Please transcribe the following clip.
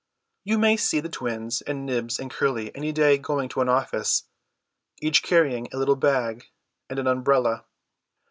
You may see the twins and Nibs and Curly any day going to an office, each carrying a little bag and an umbrella.